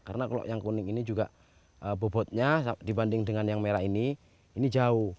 karena kalau yang kuning ini juga bobotnya dibanding dengan yang merah ini ini jauh